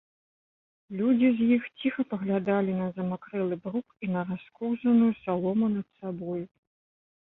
Людзі з іх ціха паглядалі на замакрэлы брук і на раскоўзаную салому над сабою.